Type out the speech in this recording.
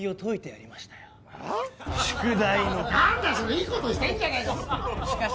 いい事してるじゃねえか。